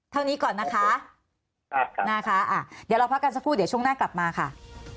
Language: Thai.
เท่านี้ก่อนนะคะครับนะคะเดี๋ยวเราพักกันสักครู่เดี๋ยวช่วงหน้ากลับมาค่ะ